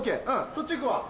そっち行くわ。